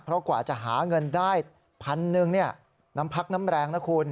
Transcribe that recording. เพราะกว่าจะหาเงินได้พันหนึ่งน้ำพักน้ำแรงนะคุณ